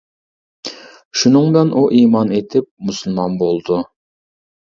شۇنىڭ بىلەن ئۇ ئىمان ئېيتىپ مۇسۇلمان بولىدۇ.